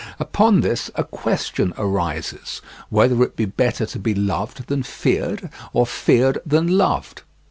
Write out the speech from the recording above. Upon this a question arises: whether it be better to be loved than feared or feared than loved?